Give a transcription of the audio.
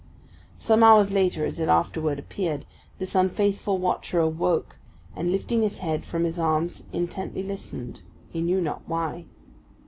Some hours later, as it afterward appeared, this unfaithful watcher awoke and lifting his head from his arms intently listened he knew not why.